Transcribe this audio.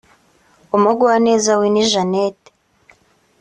Umugwaneza Winnie Janet